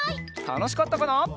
たのしかったかな？